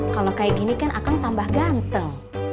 kalau kayak gini kan akan tambah ganteng